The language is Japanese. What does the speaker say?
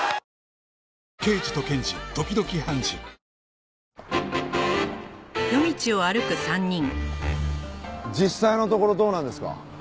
ニトリ実際のところどうなんですか？